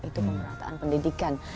itu pemerataan pendidikan